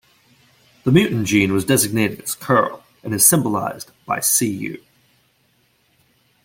The mutant gene was designated as curl and is symbolized by Cu.